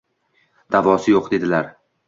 Davosi yoʼq!» – dedilar.